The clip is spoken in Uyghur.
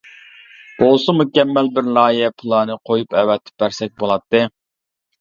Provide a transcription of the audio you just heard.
بولسا مۇكەممەل بىر لايىھە پىلانى قويۇپ ئەۋەتىپ بەرسەك بۇلاتتى.